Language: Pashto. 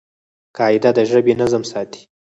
قاعده د ژبي نظم ساتي.